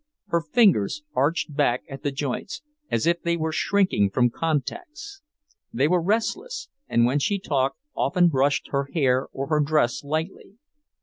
Her fingers arched back at the joints, as if they were shrinking from contacts. They were restless, and when she talked often brushed her hair or her dress lightly.